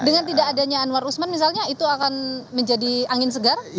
dengan tidak adanya anwar usman misalnya itu akan menjadi angin segar